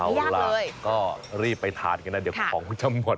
เอาล่ะก็รีบไปทานกันนะเดี๋ยวของมันจะหมด